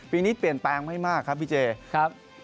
ปีนี้เปลี่ยนแปลงไม่มากครับพี่เจครับ